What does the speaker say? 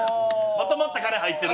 まとまった金入ってる。